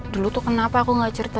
dulu tuh kenapa aku gak cerita